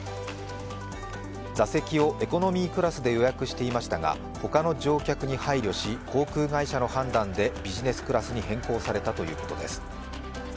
座席をエコノミークラスで予約していましたが、ほかの乗客に配慮し、航空会社の判断でビジネスクラスに変更されたということです。